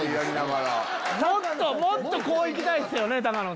もっとこう行きたいっすよね。